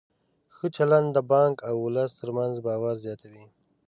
ښه چلند د بانک او ولس ترمنځ باور زیاتوي.